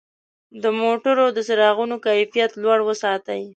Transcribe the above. د موټرو د څراغونو کیفیت لوړ وساتئ.